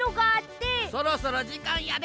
そろそろじかんやで。